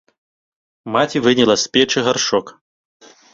Маці выняла з печы гаршчок.